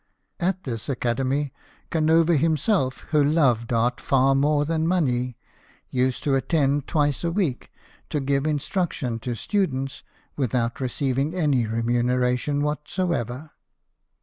At this Academy Canova himself, who loved art far more than money, used to attend twice a week to give instruction to students without receiving any remuneration whatsoever.